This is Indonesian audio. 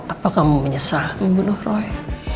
apa kamu menyesal membunuh roy